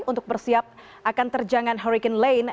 untuk bersiap akan terjangan hurricane lane